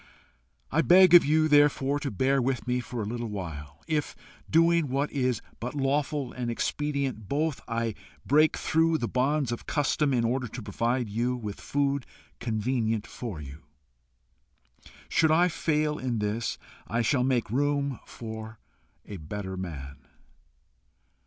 I beg of you, therefore, to bear with me for a little while, if, doing what is but lawful and expedient both, I break through the bonds of custom in order to provide you with food convenient for you. Should I fail in this, I shall make room for a better man.